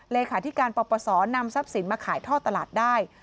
เลขาธิการปปศนำทรัพย์สินมาขายท่อตลาดได้